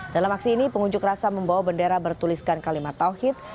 dalam aksi ini pengunjuk rasa membawa bendera bertuliskan kalimat tawhid